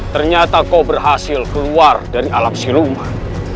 ternyata kau berhasil keluar dari alam sirumah